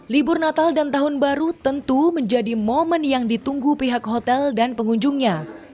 libur natal dan tahun baru tentu menjadi momen yang ditunggu pihak hotel dan pengunjungnya